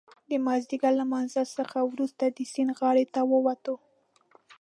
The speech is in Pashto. د مازدیګر له لمانځه څخه وروسته د سیند غاړې ته ووتلو.